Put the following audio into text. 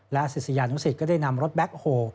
และศิษยานุสิตก็ได้นำรถแบ็คโฮ